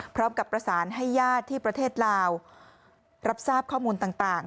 พร้อมกับประสานให้ญาติที่ประเทศลาวรับทราบข้อมูลต่าง